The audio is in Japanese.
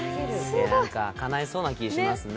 なんか、かないそうな気がしますね。